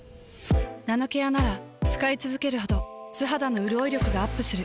ナノケアなら使いつづけるほど素肌のうるおい力がアップする。